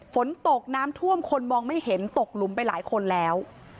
ฝนตกน้ำท่วมคนมองไม่เห็นตกหลุมไปหลายคนแล้ว